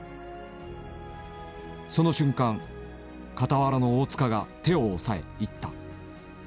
その瞬間傍らの大塚が手をおさえ言った。